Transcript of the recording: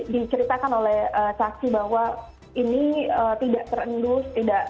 diceritakan oleh saksi bahwa ini tidak terendus